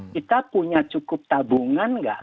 kita punya cukup tabungan nggak